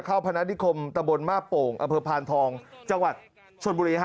พนักนิคมตะบนมาโป่งอำเภอพานทองจังหวัดชนบุรีฮะ